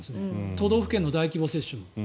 都道府県の大規模接種も。